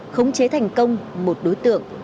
khống chế thành công một đối tượng